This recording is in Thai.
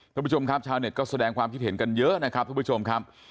คุณผู้ชมครับชาวเน็ตก็แสดงความคิดเห็นกันเยอะนะครับทุกผู้ชมครับ